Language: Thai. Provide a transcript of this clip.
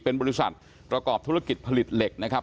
เป็นบริษัทประกอบธุรกิจผลิตเหล็กนะครับ